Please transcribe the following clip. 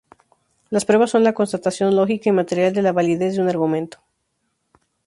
Las pruebas son la constatación lógica y material de la validez de un argumento.